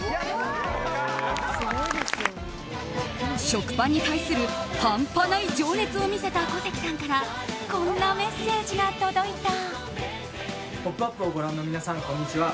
食パンに対する半端ない情熱を見せた小関さんからこんなメッセージが届いた。